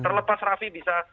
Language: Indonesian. terlepas rafi bisa